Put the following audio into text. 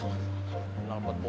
wih yaudah yaudah yaudah